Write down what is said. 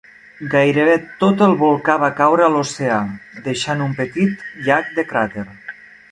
Gairebé tot el volcà va caure a l'oceà, deixant un petit llac de cràter.